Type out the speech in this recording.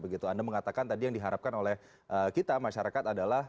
beliau mintanya dimanggil